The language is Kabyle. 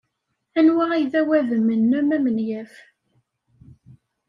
Anwa ay d awadem-nnem amenyaf?